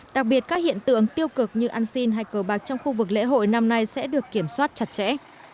đặc biệt các hiện tượng tiêu cực như ăn xin hay cờ bạc trong khu vực lễ hội năm nay sẽ được kiểm soát chặt chẽ